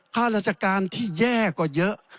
ข้าราชการที่แย่กว่าเยอะ